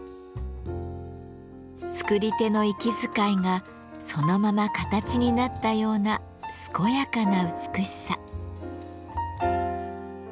作り手の息遣いがそのまま形になったような健やかな美しさ。